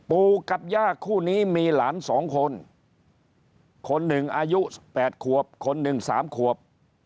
ปู่กับย่าคู่นี้มีหลานสองคนคนหนึ่งอายุ๘ขวบคนหนึ่งสามขวบ